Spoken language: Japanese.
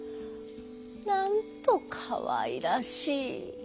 なんとかわいらしい！」。